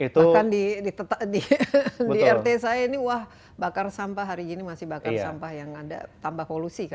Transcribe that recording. bahkan di rt saya ini wah bakar sampah hari ini masih bakar sampah yang ada tambah polusi kan